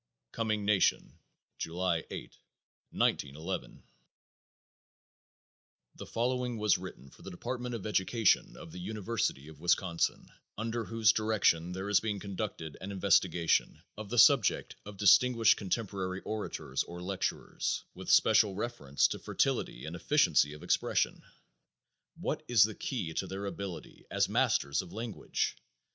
Coming Nation, July 8, 1911. _The following was written for the Department of Education of the University of Wisconsin, under whose direction there is being conducted an investigation of the subject of "Distinguished Contemporary Orators or Lecturers With special reference to fertility and efficiency of expression. What is the key to their ability as masters of language?